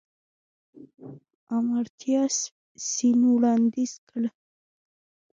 آمارتیا سېن وړانديز کړی.